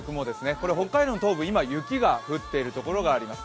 これは北海道の東部、今、雪が降っている所があります。